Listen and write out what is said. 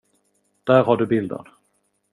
Där har du bilden.